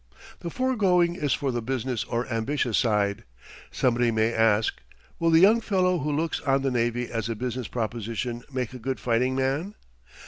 The foregoing is for the business or ambitious side. Somebody may ask: Will the young fellow who looks on the navy as a business proposition make a good fighting man?